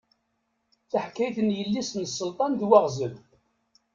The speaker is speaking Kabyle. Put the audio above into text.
Taḥkayt n yelli-s n Selṭan d waɣzen.